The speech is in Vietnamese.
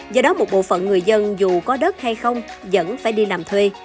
do đó một bộ phận người dân dù có đất hay không vẫn phải đi làm thuê